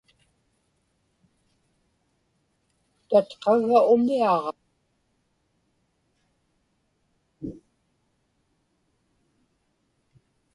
tatqagga umiaġa